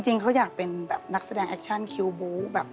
จริงเขาอยากเป็นแบบนักแสดงแอคชั่นคิวบู๊แบบ